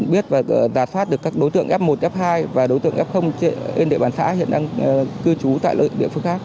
biết và giả soát được các đối tượng f một f hai và đối tượng f trên địa bàn xã hiện đang cư trú tại địa phương khác